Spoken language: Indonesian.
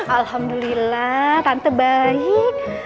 alhamdulillah tante baik